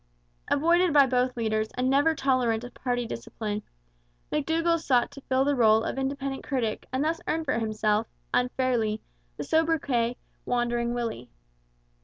Avoided by both leaders and never tolerant of party discipline, McDougall sought to fill the rôle of independent critic and thus earned for himself, unfairly, the sobriquet 'Wandering Willie.'